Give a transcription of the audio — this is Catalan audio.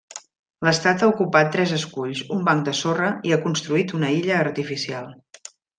L'estat ha ocupat tres esculls, un banc de sorra i ha construït una illa artificial.